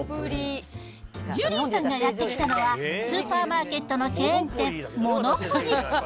ジュリーさんがやって来たのは、スーパーマーケットのチェーン店、モノプリ。